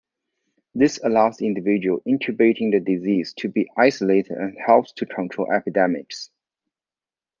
This allows individuals incubating the disease to be isolated and helps to control epidemics.